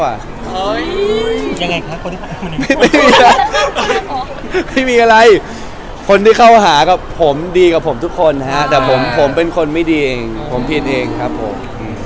ไม่มีอะไรคนที่เข้าหากับผมดีกับผมทุกคนครับแต่ผมเป็นคนไม่ดีเองผมผิดเองครับผม